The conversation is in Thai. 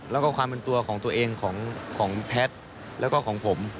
แล้วก็ความเป็นตัวของตัวเองของแพทย์แล้วก็ของผม